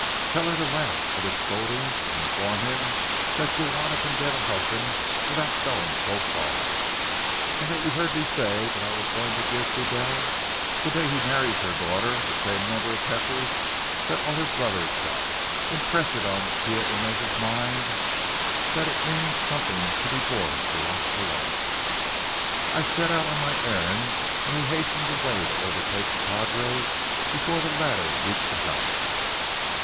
Tell her to laugh at his scoldings and inform him that Juana can get a husband without going so far. And that you heard me say that I was going to give Fidel, the day he married her daughter, the same number of heifers that all her brothers got. Impress it on Tia Inez's mind that it means something to be born to Las Palomas." I set out on my errand and he hastened away to overtake the padre before the latter reached the house.